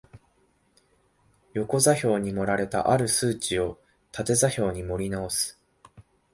横座標に盛られた或る数値を縦座標に盛り直す